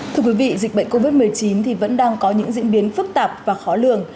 thưa quý vị dịch bệnh covid một mươi chín thì vẫn đang có những diễn biến phức tạp và khó lường